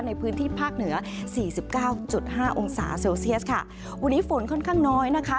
ในพื้นที่ภาคเหนือสี่สิบเก้าจุดห้าองศาเซลเซียสค่ะวันนี้ฝนค่อนข้างน้อยนะคะ